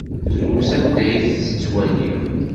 Drus anda ay t-ttwaliɣ.